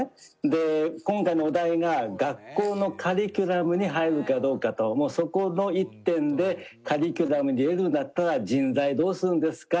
で今回のお題が学校のカリキュラムに入るかどうかとそこの１点でカリキュラムに入れるんだったら人材どうするんですか？